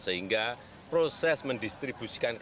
sehingga proses mendistribusikan